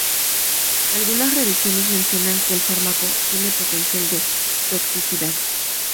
Algunas revisiones mencionan que el fármaco tiene potencial de toxicidad.